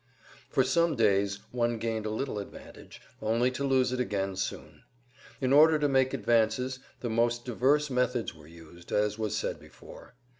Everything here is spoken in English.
For some days one had gained a little advantage, only to lose it again soon. In order to make advances the most diverse methods were used, as was said before.